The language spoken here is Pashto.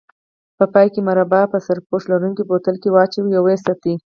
په پای کې مربا په سرپوښ لرونکي بوتل کې واچوئ او وساتئ.